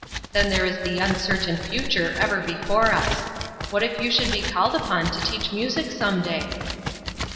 Then there is the uncertain future ever before us. What if you should be called upon to teach music some day?"